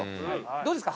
どうですか？